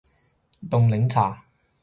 凍檸茶